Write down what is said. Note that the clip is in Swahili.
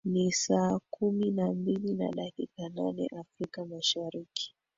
ni saa kumi na mbili na dakika nane afrika mashariki